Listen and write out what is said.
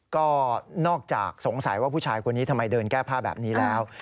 ก็นอกจากสงสัยว่าผู้ชายคนนี้ทำไมเดินแก้ผ้าแบบนี้แล้ว